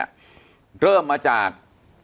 อันดับสุดท้าย